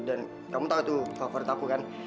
dan kamu tahu itu favorit aku kan